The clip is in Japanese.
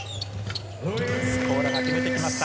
スコーラが決めてきました。